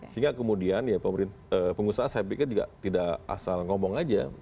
sehingga kemudian ya pengusaha saya pikir juga tidak asal ngomong aja